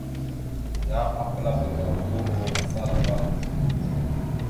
Yan apəlabava uro asala ava.